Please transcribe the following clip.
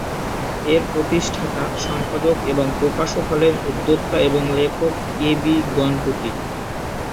এর প্রতিষ্ঠাতা, সম্পাদক এবং প্রকাশক হলেন উদ্যোক্তা এবং লেখক কে বি গণপতি।